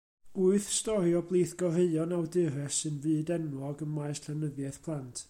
Wyth stori o blith goreuon awdures sy'n fyd-enwog ym maes llenyddiaeth plant.